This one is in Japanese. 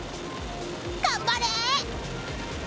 頑張れ！